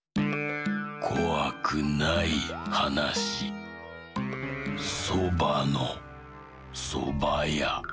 こわくないはなし「そばのそばや」。